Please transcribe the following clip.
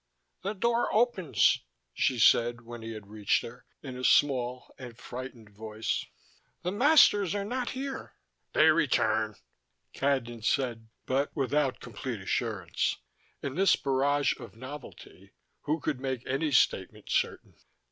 "The door opens," she said when he had reached her, in a small and frightened voice. "The masters are not here." "They return," Cadnan said, but without complete assurance. In this barrage of novelty, who could make any statement certain?